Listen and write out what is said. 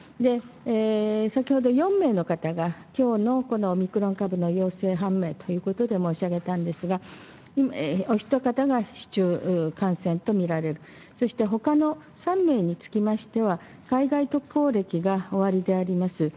先ほど４名の方が、きょうのオミクロン株の陽性判明ということで申し上げたんですが、お一方が市中感染と見られる、そしてほかの３名につきましては、海外渡航歴がおありであります。